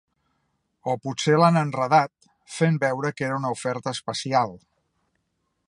O potser l'han enredat, fent veure que era una oferta especial.